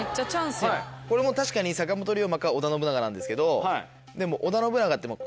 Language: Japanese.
これもう確かに坂本龍馬か織田信長なんですけどでも。